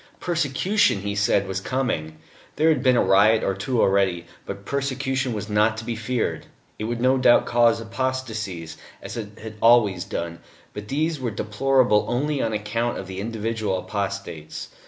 Persecution, he said, was coming. There had been a riot or two already. But persecution was not to be feared. It would no doubt cause apostasies, as it had always done, but these were deplorable only on account of the individual apostates.